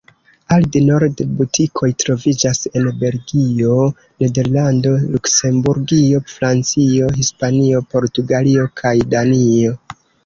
Aldi-Nord butikoj troviĝas en Belgio, Nederlando, Luksemburgio, Francio, Hispanio, Portugalio kaj Danio.